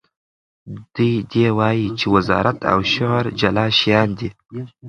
دی وایي چې وزارت او شعر جلا شیان دي.